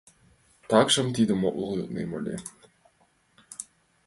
Такшым тидым огыл йоднем ыле.